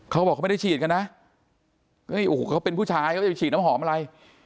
เขาบอกเขาไม่ได้ฉีดกันนะเฮ้ยโอ้โหเขาเป็นผู้ชายเขาจะไปฉีดน้ำหอมอะไร